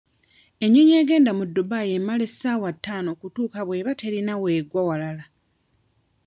Ennyonyi egenda mu Dubai emala essaawa ttaano okutuuka bw'eba terina w'egwa walala.